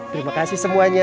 terima kasih semuanya